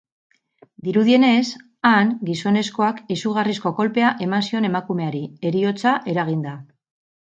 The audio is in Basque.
Dirudienez, han, gizonezkoak izugarrizko kolpea eman zion emakumeari, heriotza eraginda.